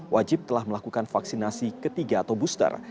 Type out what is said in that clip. wajib telah melakukan vaksinasi ketiga atau booster